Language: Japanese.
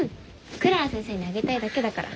クララ先生にあげたいだけだから。